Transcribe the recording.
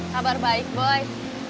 kabar baik boy